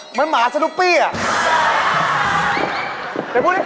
เหมือนหมาสนุปปี้อะ